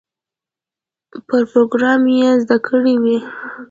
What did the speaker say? یو پروګرام یې زده کړی وي.